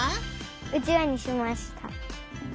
うちわにしました。